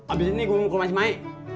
abis ini gua mau ke masi maik